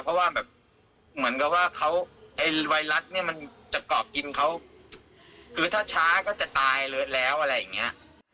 เพราะว่าแบบเหมือนกับว่าเขาไอ้ไวรัสเนี่ยมันจะเกาะกินเขาคือถ้าช้าก็จะตายเลยแล้วอะไรอย่างเงี้ย